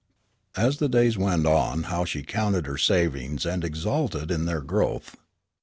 As the days went on how she counted her savings and exulted in their growth!